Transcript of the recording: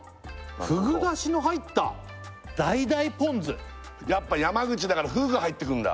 ふぐだしの入った橙ポン酢やっぱ山口だからふぐ入ってくるんだ